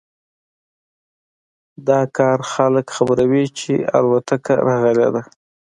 دا کار خلک خبروي چې الوتکه راغلی ده